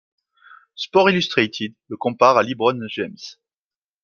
Sports Illustrated le compare à LeBron James.